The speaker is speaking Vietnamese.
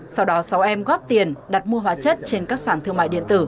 sau đó sáu em góp tiền đặt mua hóa chất trên các sản phẩm